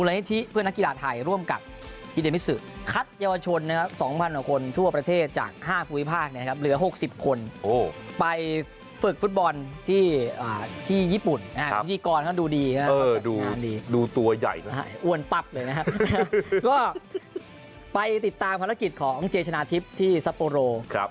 ที่ญี่ปุ่นยี่กรเขาดูดีนะครับดูตัวใหญ่อ้วนปับเลยนะครับก็ไปติดตามภารกิจของเจชนะทิพย์ที่ซัปโปรโลครับ